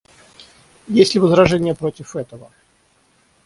Есть ли возражения против этого?